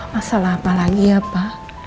masalah apa lagi ya pak